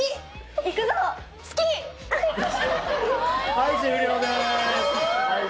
はい終了です。